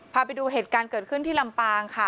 พาไปดูเหตุการณ์เกิดขึ้นที่ลำปางค่ะ